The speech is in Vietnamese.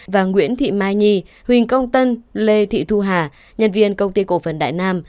và nguyễn thị mai nhi huỳnh công tân lê thị thu hà nhân viên công ty cổ phần đại nam